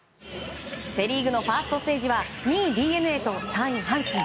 セ・リーグのファーストステージは２位、ＤｅＮＡと３位、阪神。